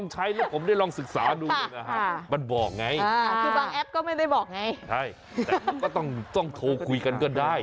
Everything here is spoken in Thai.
ใช่แต่เราต้องโทรคุยกันก็ได้